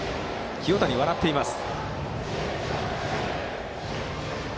清谷、笑っています。